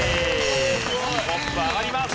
トップ上がります。